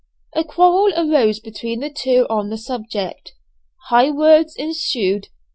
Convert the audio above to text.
A quarrel arose between the two on the subject. High words ensued.